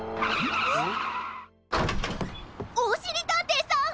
おしりたんていさん！